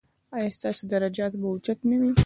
ایا ستاسو درجات به اوچت نه وي؟